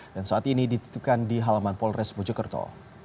dan saat ini dititipkan di halaman polres mojokerto